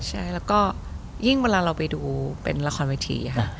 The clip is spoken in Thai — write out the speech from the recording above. ใช่แล้วก็ยิ่งเวลาเราไปดูเป็นละครเวทีค่ะ